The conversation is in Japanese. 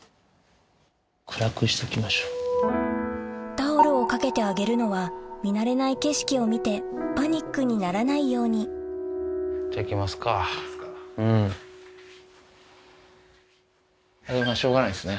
タオルをかけてあげるのは見慣れない景色を見てパニックにならないようにしょうがないですね